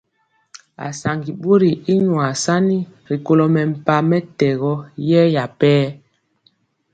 Asaŋgi bori y nyuasani ri kolo mempah mɛtɛgɔ yɛya per.